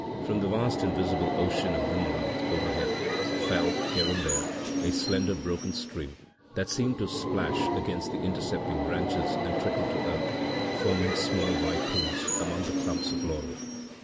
From the vast, invisible ocean of moonlight overhead fell, here and there, a slender, broken stream that seemed to plash against the intercepting branches and trickle to earth, forming small white pools among the clumps of laurel.